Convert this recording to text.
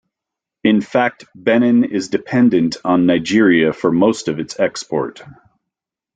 In fact Benin is dependent on Nigeria for most of its export.